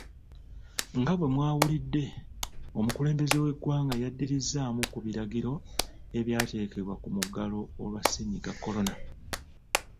Nga bwe mwawulidde, Omukulembeze w'Eggwanga yaddirizzaamu ku biragiro ebyateekebwa ku muggalo olwa ssenyiga Kolona.